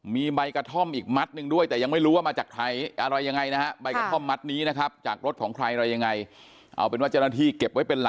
มีใบกระท่อมอีกมัดด้วยแต่ยังไม่รู้ว่ามาจากใคร